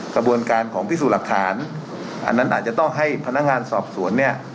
กระบวนการของพิสูจน์หลักฐานอันนั้นอาจจะต้องให้พนักงานสอบสวนเนี่ย